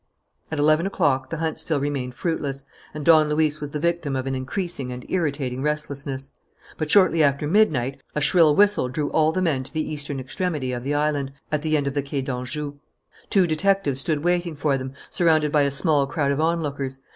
At eleven o'clock the hunt still remained fruitless; and Don Luis was the victim of an increasing and irritating restlessness. But, shortly after midnight, a shrill whistle drew all the men to the eastern extremity of the island, at the end of the Quai d'Anjou. Two detectives stood waiting for them, surrounded by a small crowd of onlookers.